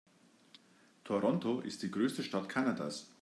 Toronto ist die größte Stadt Kanadas.